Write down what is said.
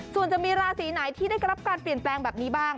ส่วนจะมีราศีไหนที่ได้รับการเปลี่ยนแปลงแบบนี้บ้าง